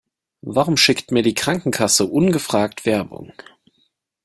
Warum schickt mir die Krankenkasse ungefragt Werbung?